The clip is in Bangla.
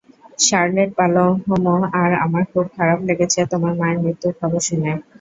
শার্লেট পালোমা আর আমার খুব খারাপ লেগেছে তোমার মায়ের মৃত্যুর খবর শুনে।